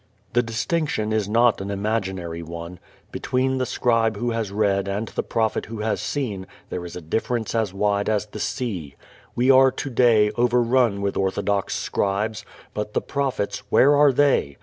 The distinction is not an imaginary one. Between the scribe who has read and the prophet who has seen there is a difference as wide as the sea. We are today overrun with orthodox scribes, but the prophets, where are they?